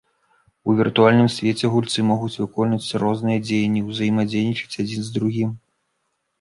У віртуальным свеце гульцы могуць выконваць розныя дзеянні, узаемадзейнічаць адзін з другім.